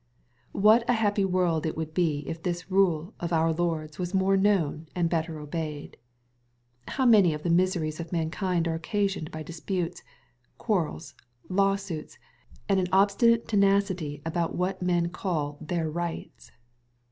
What a happy world it would be if this rule of oui Lord's was more known and better obeyed ! How many of the miseries of mankind are occasioned by disputes, quarrels, lawsuits, and an obstinate tenacity about what men call " their rights